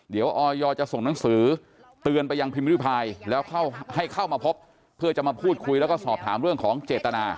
เดี๋ยวออยจะส่งหนังสือเตือนไปยังพิมพิริพายแล้วให้เข้ามาพบเพื่อจะมาพูดคุยแล้วก็สอบถามเรื่องของเจตนา